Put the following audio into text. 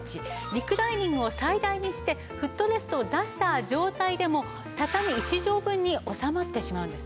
リクライニングを最大にしてフットレストを出した状態でもたたみ一畳分に収まってしまうんです。